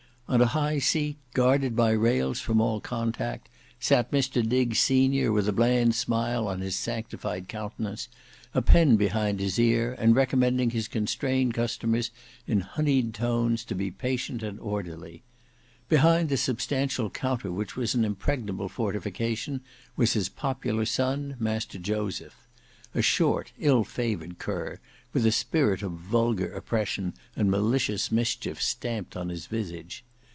On a high seat, guarded by rails from all contact, sate Mr Diggs senior, with a bland smile on his sanctified countenance, a pen behind his ear, and recommending his constrained customers in honeyed tones to be patient and orderly. Behind the substantial counter which was an impregnable fortification, was his popular son, Master Joseph; a short, ill favoured cur, with a spirit of vulgar oppression and malicious mischief stamped on his visage.